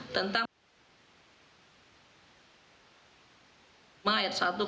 tentang pemberantasan tindak pidana korupsi